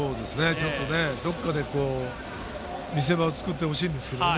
ちょっとね、どこかで見せ場を作ってほしいんですけどね。